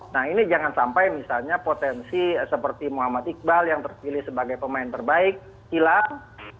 nah ini jangan sampai misalnya potensi seperti muhammad iqbal yang terpilih sebagai pemain terbaik hilang